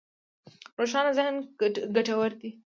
روښانه ذهن ګټور دی.